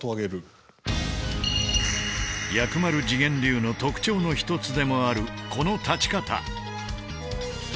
薬丸自顕流の特徴の一つでもあるこの立ち方。